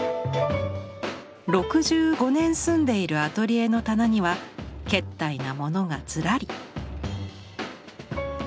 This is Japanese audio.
６５年住んでいるアトリエの棚にはけったいなものがずらり。